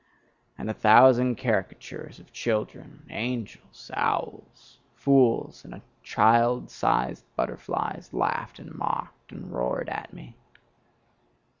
And a thousand caricatures of children, angels, owls, fools, and child sized butterflies laughed and mocked, and roared at me.